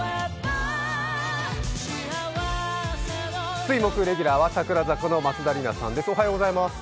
水曜日レギュラーは櫻坂４６の松田里奈さんです。